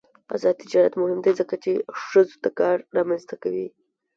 آزاد تجارت مهم دی ځکه چې ښځو ته کار رامنځته کوي.